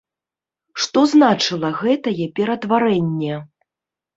Што значыла гэтае ператварэнне?